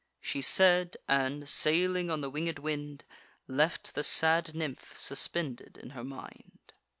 She said, and, sailing on the winged wind, Left the sad nymph suspended in her mind.